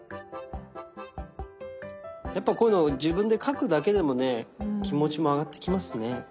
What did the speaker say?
やっぱこういうの自分で描くだけでもね気持ちも上がってきますね。